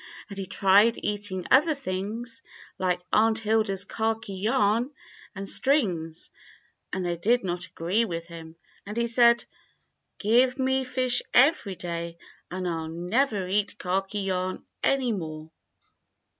And he tried eat ing other things like Aunt Hilda's khaki yarn and strings, and they did not agree with him, and he said, *Give me fish every day and I'll never eat khaki yarn any more.'